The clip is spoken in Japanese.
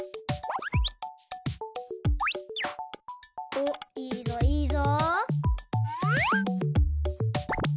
おっいいぞいいぞ。